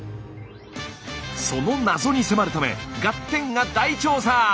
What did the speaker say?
その謎に迫るため「ガッテン！」が大調査！